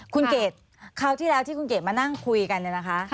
คุณเกดคราวที่แล้วที่คุณเกดมานั่งคุยกันเนี่ยนะคะ